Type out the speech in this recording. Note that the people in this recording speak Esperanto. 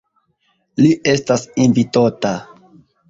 Li estas invitota.